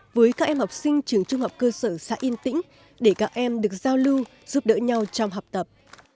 với các em học sinh trường trung học cơ sở xã yên tĩnh để các em được giao lưu giúp đỡ nhau trong học tập